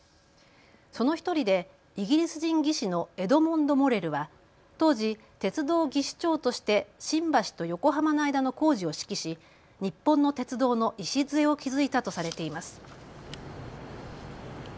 その１人でイギリス人技師のエドモンド・モレルは当時、鉄道技師長として新橋と横浜の間の工事を指揮し日本の鉄道の礎を築いたとされています。